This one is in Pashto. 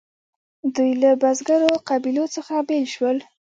دوی له بزګرو قبیلو څخه بیل شول.